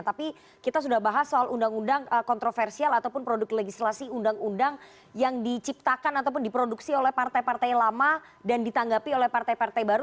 tapi kita sudah bahas soal undang undang kontroversial ataupun produk legislasi undang undang yang diciptakan ataupun diproduksi oleh partai partai lama dan ditanggapi oleh partai partai baru